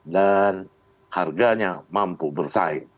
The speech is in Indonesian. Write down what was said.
dan harganya mampu bersaing